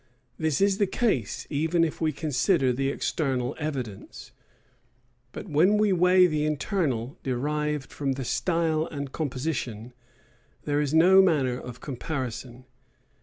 This is the case, even if we consider the external evidence: but when we weigh the internal, derived from the style and composition, there is no manner of comparison.